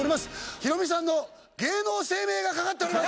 ヒロミさんの芸能生命がかかっております。